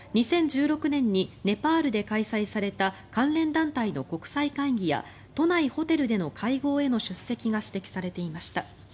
２０１６年にネパールで開催された関連団体の国際会議や都内ホテルでの会合への出席が指摘されていました。